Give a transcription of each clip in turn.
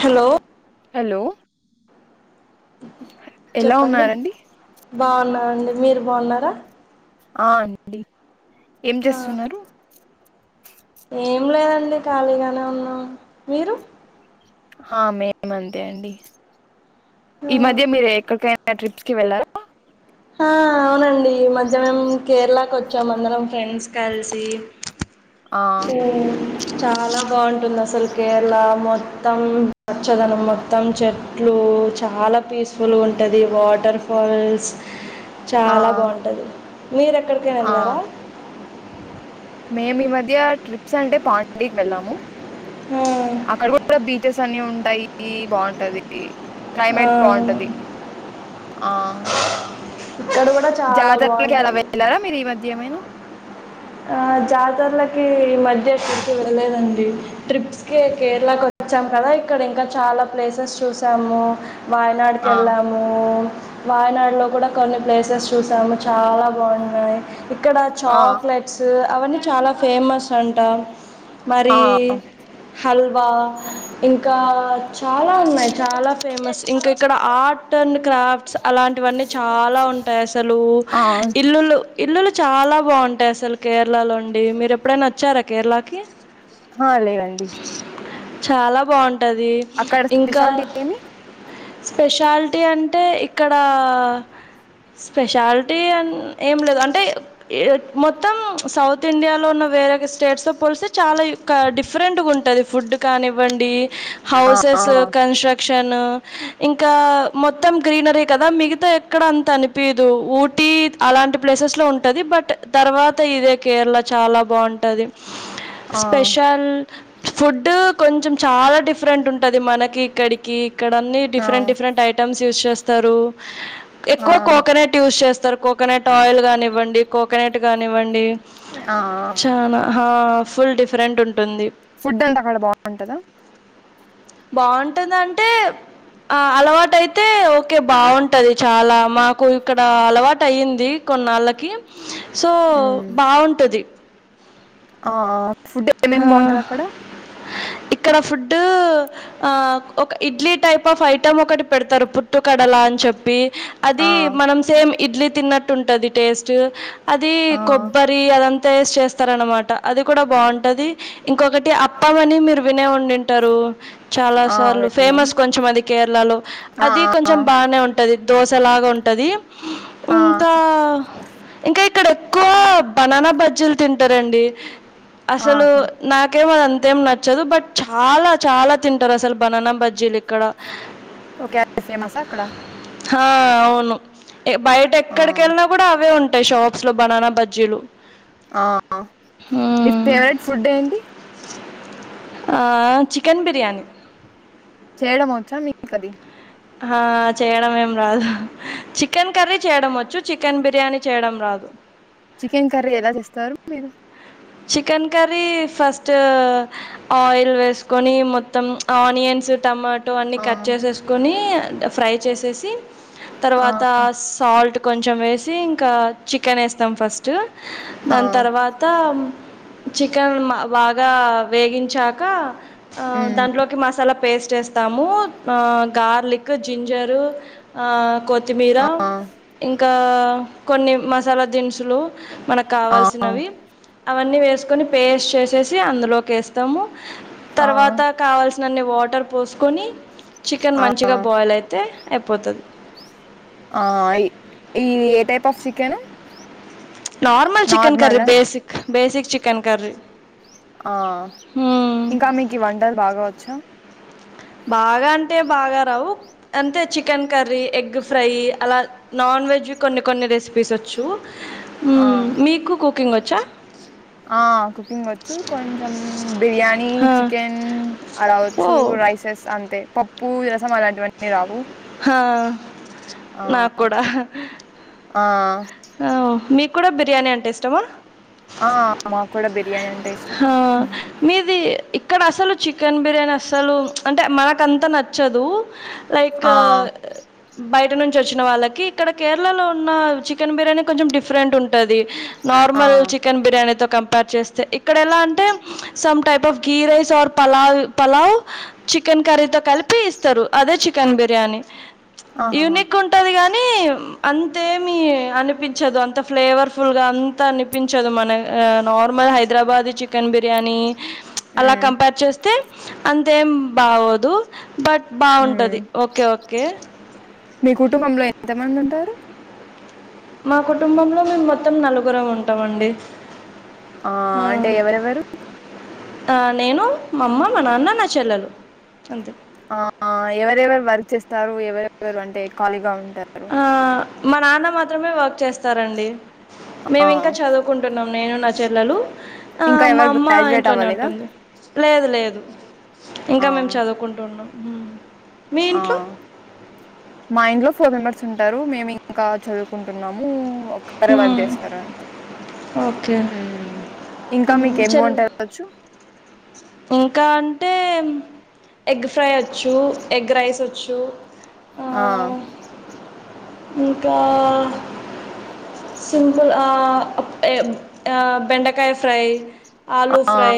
Hello hello ఎలా ఉన్నారండి బాగున్నారండి మీరు బాగున్నారా ఆ అండి ఏం ఆ చేస్తున్నారు ఏం లేదండి ఖాళీగానే ఉన్నాం మీరు హా మేము అంతే అండి ఆ ఈ మధ్య మీరు ఎక్కడికైనా ట్రిప్ కి వెళ్ళార ఆ అవునండి ఈ మధ్య మేం కేరళ కి వచ్చాం అందరం ఫ్రెండ్స్ కలిసి ఆ ఊ చాలా బాగుంటుంది అసలు కేరళ మొత్తం పచ్చదనం మొత్తం చెట్లు చాలా పీస్ఫుల్గా ఉంటుంది వాటర్ ఫాల్స్ ఆ చాలా బాగుంటది మీరు ఎక్కడికైనా ఆ వెళ్ళారా మేము ఈ మధ్య ట్రిప్స్ అంటే పాండీకి వెళ్ళాము ఆ ఆక్కడగు బీచ్ స్ అన్ని ఉంటాయి బాగుంటాది ఆ, క్లైమేట్ బాగుంటాది ఆ ఇక్కడ కూడా చాలా జాతరలకి ఎలా వెళ్లారా మీరు ఈ మధ్య ఏమైనా అ జతరల ఇ మధ్య ఎక్కడికి వెళ్ళ లేదు అండి ట్రిప్స్ ఇలా వచ్చాం కదా ఇక్కడ ఇంకా చాలా ప్లేసెస్ చూసాము వాయనాడుకి ఆ వెళ్ళాము వాయనాడులో కూడా కొన్ని ప్లేసెస్ చూసాము చాలా బాగున్నాయి ఇక్కడ ఆ చాక్ ఫిష్ అవన్నీ చాలా ఫేమస్ అంట మరి ఆ హల్వా ఇంకా ఇంకా చాలా ఉన్నాయి చాలా ఫేమస్ ఇంకా ఇక్కడ ఆర్ట్ అండ్ క్రాఫ్ట్స్ అలాంటివన్నీ చాలా ఉంటాయి అసలు ఆ ఇల్లులు ఇల్లులు చాలా బాగుంటాయి అసలు కేరళలోండి మీరు ఎప్పుడైన వచ్చారా కేరళకి ఆ లేదండి చాలా బాగుం టది అక్కడ ఇంకా స్పెషాలిటీ ఏమి స్పెషాలిటీ అంటే ఇక్కడ స్పెషాలిటీ అ ఏం లేదు అంటే మొత్తం సౌత్ ఇండియాలో ఉన్న వేరే స్టేట్స్ త పోలిసి చాలా యొక్క డిఫరెంట్ గా ఉంటుది ఫుడ్ కానివ్వండి ఆ ఆ హౌసెస్ కన్స్ట్రక్ట్ ఎక్షన్ ఇంకా మొత్తం గ్రీనరీ కదా మిగతా ఎక్కడ అంత అనిపదు ఊటీ అలాంటి ప్లేసెస్ లో ఉంటది బట్ తర్వాత ఇదే కేరళ చాలా బాగుంటది ఆ స్పషల్ ఫుడ్ కొంచెం చాలా డిఫరెంట్ ఉంటది మనకి ఇక్కడికి ఇక్కడ అన్ని ఆ డిఫరెంట్ డిఫరెంట్ ఐటమ్స్ యూస్ చేస్తారు ఎక్కువ కోకోనెట్ యూస్ చేస్త కోకోనట్ ఆయిల్ కానివ్వండి కో కోక్కనేట్టు కానివ్వండి ఆ ఆ చాన హా ఫుల్ డిఫరెంట్ ఉంటుంది ఫుడ్ అంతా అక్కడ బాగుంటద బాగుంటుంది అంటే ఆ అలవాట అయితే ఒకే బాగుంటది చాలా మాకు ఇక్కడ అలవాటు అయ్యింది కొన్నాళ్ళకి సో మ్మ్ బాగుంటది ఆ ఫుడ్ ఏమేమి బాగుంటది అక్కడ ఇక్కడ ఫుడ్ ఆ ఒక ఇడ్లీ టైప్ ఆఫ్ ఐటెమ్ ఒకటి పెడతారు పుట్టు కడలా అని చెప్పి అది ఆ మనం సేమ్ ఇడ్లీ తిన్నట్టు ఉంటది టేస్ట్ అది ఆ కొబ్బరి అదంత తయసి చేస్తారనమాట అది కూడా బాగుంటది ఇంకొకటి అప్పమని మీరు వినే ఉండుంటారు చాలా ఆ సార్లు వెళ్ళినాము ఫేమస్ కొంచెం అది కేరళలో ఆ అది ఆ కొంచెం బాగానే ఉంటుంది దోశలాగా ఉంటుంది ఆ ఇంత ఇంకా ఇక్కడ ఎక్కువ బనానా బజ్జీలు తింటారండి అసలు ఆహా నాకేం అధింత నచ్చదు బట్ చాలా చాలా తింటారు అసలు బనానా బజ్జీలు ఇక్కడ ఓకే అది ఫేమసా అక్కడ ఆ అవును బయట ఆ ఎక్కడికి వెళ్ళా కూడా అవే ఉంటాయి తాయి షాప్ లో బనానా బాజీలు ఆ మీ ఫేవరెట్ ఫుడ్ ఏంటి ఆ చికెన్ బిర్యానీ చేయడం వచ్చా మీంక అది ఆ చేయడం ఏం రాదు చికెన్ కర్రీ చేయడం వచ్చు చికెన్ బిర్యానీ చేయడం రాదు చికెన్ కర్రీ ఎలా చేస్తారు మీరు చికెన్ కర్రీ ఫస్ట్ ఆయిల్ వేసుకొని మొత్తం ఆనియన్స్ టమాటో అన్ని ఆ కట్ చేసేసుకొని ఫ్రై చేసేసి ఆ తర్వాత సాల్ట్ కొంచెం వేసి ఇంకా చికెన్ వేస్తాం ఫస్ట్ ఆ దాని తర్వాత చికెన్ బాగా వేగించాక ఆ మ్మ్ దాంట్లోకి మసాలా చేస్తాము ఆ గార్లిక్ జింజర్ ఆ కొత్తి మీరా ఆ ఇన్ కా కొన్ని మసాలా దినుసులు మనకు ఆ కావాల్సినవి అవన్నీ వేసుకొని పేస్ట్ చేసేసి అందులోకి వేస్తాము ఆ తర్వాత కావాల్సిన ననీ వాటర్ పోసుకొని చికెన్ ఆ మంచిగా బాయిల్ అయితే అయిపోతది ఆ ఈ ఏ type of sick కేను normal chicken curry basic basic chicken curry ఆ ఇంకా మీకి వంటర్ బాగావచ్చా బాగా అంటే బాగా రావు అంతే చికెన్ కర్రీ ఎగ్ ఫ్రై అలా నాన్ వెజ్ కొన్ని కొన్ని రెసిపీస్ వచ్చు ఆ మీకు కు కుుకింగ్ వచ్చా ఆ కుకింగ్ వచ్చు కొంచెం బిర్యానీ హా. చికెన్ ఓ అలావచ్చు రైసెస్ అంత అే పప్పు రసం అలాంటివన్నీ రావు ఆ ఆ నాకు కూడా ఆ ఆ మీకు కూడా బిర్యానీ అంటే ఇష్టమా ఆ అమ్ మా కూడా బి హా మీది ఇక్కడ అసలు చిక్క్ చికెన్ బిర్యానీ అసలు అంటే మనక్ అంత నచ్చదు లైక్ ఆ బైక్ ఇంటి నుంచి వచ్చిన వాళ్ళకి ఇక్కడ కేరళ లో ఉన్న చికెన్ బిర్యానీ కొంచెం డిఫరెంట్ ఉంటూ ఉంటది ఆ నార్మల్ చికెన్ బిర్యానితో కంపేర్ చేస్తే ఇక్కడ ఎలా అంటే some type of ghee rice or pulao pulao chicken కర్రీతో కలిపి ఇస్తారు అదే చికెన్ బిర్యానీ ఆహాహా యూనిక్ ఉంటది గానీ అంత అంతే మీ అనిపించదు అంత ఫ్లేవర్ ఫుల్ గా అంత అనిపించదు మన నార్మల్ హై హైదరాబాద్ చికెన్ బిర్యానీ అలా మ్మ్ కంపేర్ చేస్తే అంతేం బావదు మీ కుటుంబంలో ఎంత మంది ఉంటారు మా కుటుంబంలో మేము మొత్తం నలుగుర ఉంటాండి ఆ అంటే ఎవరెవరు ఆ నేను మా అమ్మ మా నాన్న నా చెల్లెలు అంతే ఆ ఎవరెవరు వర్క్ చేస్తారు ఎవరెవరు అంటే ఖాళీగా ఉంటారు ఆ మా నాన్న మాత్రమే వర్క్ చేస్తారండి ఆ మేము ఇంకా చదువుకుంటున్నాం నేను నా చెల్లలు ఇంకా మా ఎవరు అమ్మ గ్రాడ్యుయేట్ ఇంట్లోనే అవ్వలేదా ఉంటుంది లేదు లేదు ఆ ఇంకా మేము చదువుకుంటు ఉన్నాం ఆ మైండ్లోఫ్ ఫోర్ మెంబర్స్ ఉంటారు మేము ఇంకా చదువుకుంటున్నాము ఒక్కరే వర్క్ హ్మ్. చేస్తారు అంతే ఓకే మ్మ్ ఇంకా మీకేమి చె వంటలు వచ్చు ఇంకా ఎగ్ ఫ్రై వచ్చు ఎగ్ రైస్ వచ్చు జు ఆ ఇంకా సింబల్ ఆ ఆ బెండకాయ ఫ్రై ఆలూ ఆ ఫ్రై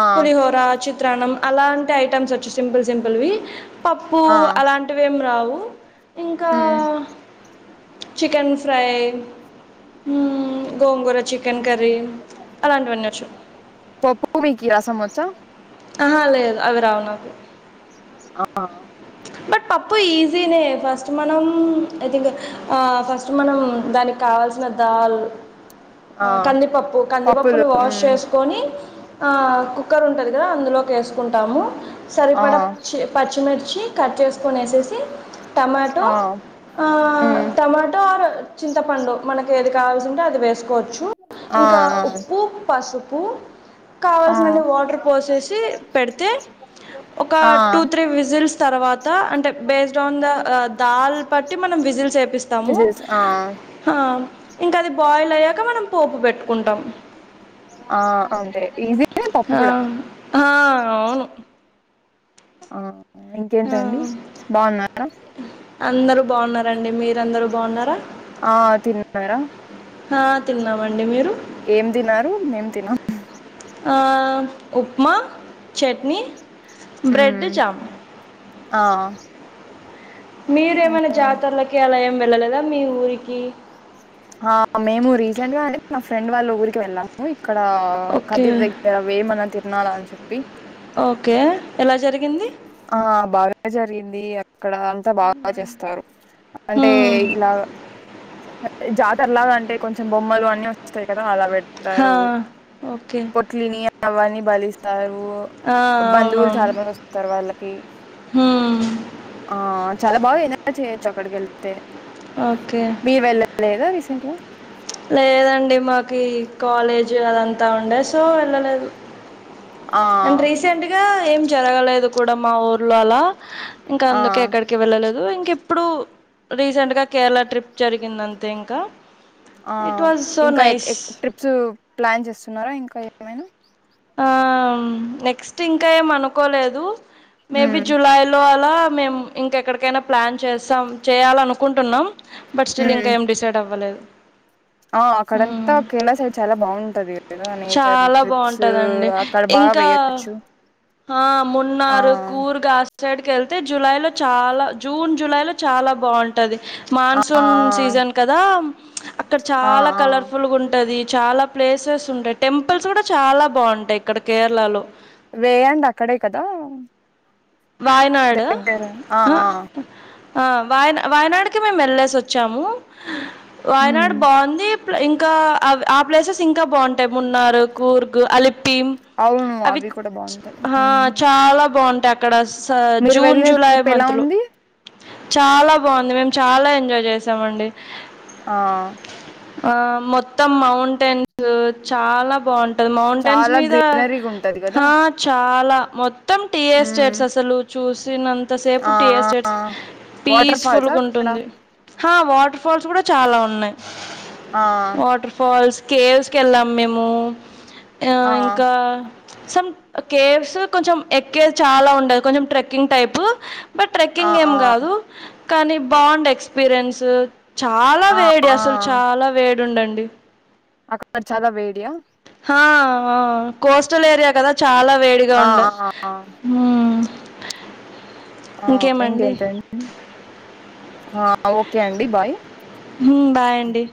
ఆ పులిహోర చిక తణం అలాంటి టమ్స్ వచ్చ సింపుల్ సింపుల్వి పప్పు ఆ అలాంటివి ఏం రావు క్క మ్మ్ చికెన్ ఫ్రై గోంగూర చికెన్ కర్రీ అలాంటివన్నీ వచ్చు పప్ప మీకి రసం స ఆహా లేదు అవి రావు నాకు ఆ బట్ పప్పు ఈజీనే ఫస్ట్ మనం ఐ థింక్ ఫస్ట్ మనం దానికి కావాల్సిన దాల్ ఆ కందిపప్పు పప్పులు కందిపప్పుని వాష్ మ్మ్ చేసుకొని ఆ కుక్కర్ ఉంటుంది కదా అందులోకి వేసుకుంటాము ఆ సరిపడా చి పచ్చిమిర్చి కట్ చేసుకుని వేసేసి టమాటో ఆ ఆ మ్మ్ టమాటో ఆర్ చింతపండు మనకి ఎది కావలసి ఉంటే అది వేస్ సుకోవచ్చు ఆ ఇంకా ఆ ఉప్పు పసు ప్పు ఆ కావాల్సిన వాటర్ పోసేసి పెడితే ఒక ఆ! టూ త్రీ విజిల్స్ తర్వాత అంటే బేస్డ్ ఆన్ ద దాల్ బట్టి మనం విజిల్ చేపిస్తాము విజిల్స్ ఆ ఇంకా అది బాయిల్ అయ్యాక మనం పోపు పెట్టుకుంటాం ఆ అంతే ఈజీనే పప్పు ఆ కూడా హా అవును ఆ ఆ ఇంకేంటండి బాగున్నారా అందరుూ బావున్నారండి మీరందరూ బవున్నారా ఆ తిన్నారా ఆ తిన్నామండి మీరు ఏం తిన్నారు నేం తిన ఆ ఉప్మా చట్నీ బ్రెడ్ హ్మ్. జమ్ ఆ మీరేమైనా జాతరలకి అలా ఏం వెళ్ళలేదా మీ ఊరికి ఆ మేము రీసెంట్ గా అండి నా ఫ్రెండ్ వాళ్ళ ఊరికి వెళ్ళాము ఇక్కడ ఓకే కదిర్ దగ్గర వేమన తిరనాలని చెప్పి ఓకే ఎలా జరిగింది ఆ బాగా జరిగింది అక్కడ అంతా బాగా చేస్తారు అంటే హ్మ్. ఇలా జాతర లాగా అంటే కొంచెం బొమ్మలు అన్నీ వస్తాయి కదా అలా పెట్ హా, తారు ఓకే పోట్లిని అవ్వని బలిస్తారు ఆ బంధువులు అవునవును చాలా మంది వస్తారు వాళ్ళకి హ్మ్, ఆ చాలా బాగా [inaudible] చేయచ్చు అక్కడికెళ్తే ఓకే మీర్ వెళ్ళలేదా రిసె ఏంటువ లేదండి మాకీ కాలేజీ అదంతా ఉండే సో వెళ్ళలేదు ఆ అండ్ రీసెంట్ గా ఏం జరగలేదు కూడా మా ఊర్లో అలా ఇంకా అందుకే ఆ ఎక్కడికి వెళ్ళలేదు ఇంకె ఇప్పుడు రీసెంట్ గా కేరళ ట్రిప్ జరిగింది అంతే ఇంక ఆ ఇంకా ఎక్ ఎక్ ట్రిప్స్ ప్లాన్ చేస్తున్నారా ఇంకా ఏమైనా ఆ నెక్స్ట్ ఇంకా ఏం అనుకోలేదు మే బి ఉమ్ జులాయ్ లో అల్ ఆ మేమ్ ఇంకెక్కడికైనా ప్లాన్ చేస్తాం చేయాలనుకుంటున్నాం బట్ స్టిల్ ఉమ్ ఇంకా ఏమ్ డిసైడ్ అవ్వలేదు ఆ అక్కడంతా కేరళ సైడ్ చాలా బాగుంటది ద నేచర్ చాలా ట్రిప్స్ బాగుంటుందండి అక్కడ బా ఇంకా వేయచ్చు ఆ మున్నారు కూరుగా సైడ్ కెళ్తే జులై లో చాలా జూన్ జులై లో చాలా బాగుంటది ఆ మాన్సూన్ సీజన్ కదా అక్కడ ఆ చాలా ఆ కలర్ఫుల్ గా ఉంటది చాలా ప్లేసెస్ ఉంటాయి టెంపుల్స్ కూడా చాలా బాగుంటయ్ ఇక్కడ కేరళలో వేయండి అక్కడే కదా వయ్ నాడ దగ్గర ఆ ఆ ఆ వాయనా వాయనాడుకి మేము ఎళ్ళేసి వచ్చాము వాయనాడు ఉమ్ బావుంది ఇంకా ఆ ప్లేసెస్ ఇంకా బాగుంటయ్ మున్నార్ కూర్గు అలిప్ ప్పిమ్ అవును అవి కూడా చ్ బాగుంటాయి హా ఉమ్. చాలా బావున్ ఇక్కడ మీరు వెళ్ళిన ట్రిప్ ఎలా ఉంది చాలా బాగుంది మేము చాలా ఎంజాయ్ చేసామండి ఆ ఆ మొత్తం మౌంటైన్స్ చాలా బావుంట్ టద్ మౌంటైన్స్ చాలా మీద గ్రీనరీగా ఉంటది కదా హా చాల మొత్ మొత్తం టిఎస్ ఉమ్ చట్స్ అసలు చూస్ నంత సేపు ఆ టిఎస్ ఆ స్టేట్స్ వాటర్ పీస్ఫుల్ ఫాల్సా అక్కడ గుంటుంది హా వాటర్ ఫాల్స్ కూడా చాలా ఉన్నయ్ ఆ వాటర్ ఫాల్స్ కేవ్స్ కెళ్ళాం మేము ఆ ఇంకా సమ్ కేవ్స్ కొంచెం ఎక్కే చాలా ఉండదు కొంచెం ట్రెక్కింగ్ టైప్ బట్ ఆ ట్రెక్కింగ్ ఏం ఆ కాదు కానీ బాగుండే ఎక్స్పీరియన్స్ చాలా ఆ వేడి ఆ అసలు చాలా వేడుండం డి అక్కడ చాల వే హా ఆ కోస్టల్ ఏరియా కదా చాలా వేడిగా ఆ ఉండే ఆ ఆ మ్మ్ ఆ ఇంకేమండి ఇంకేటండి ఓకే అండి బాయ్ మ్మ్ బాయ్ అండి